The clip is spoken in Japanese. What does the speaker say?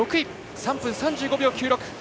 ３分３５秒９６。